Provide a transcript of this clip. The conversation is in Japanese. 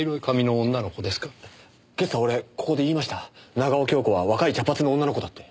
長尾恭子は若い茶髪の女の子だって。